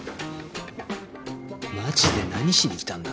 マジで何しにきたんだ？